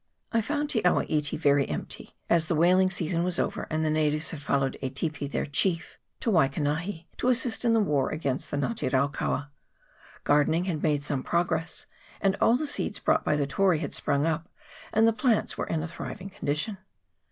I found Te awa iti very empty, as the whaling season was over, and the natives had followed Etipi, their chief, to Waikanahi, to assist in the war against the Nga te raukaua. Gardening had made some progress ; and all the seeds brought by CHAP. V.] KAP1TI. 123 the Tory had sprung up, and the plants were in a thriving condition.